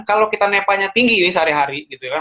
kalau kita nepa nya tinggi ini sehari hari gitu ya kan